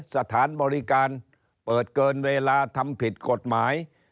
สถานบริการเปิดเกินเวลาทำผิดกฎหมาย